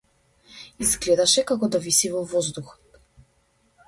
Изгледаше како да виси во воздухот.